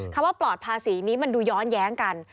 คำว่าปลอดภาษีนี้มันดูย้อนแย้งกัน